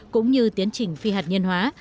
cũng như tiến trình phi hạt nhân hóa